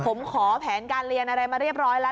ผมขอแผนการเรียนอะไรมาเรียบร้อยแล้ว